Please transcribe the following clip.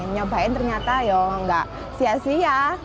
nyobain ternyata ya nggak sia sia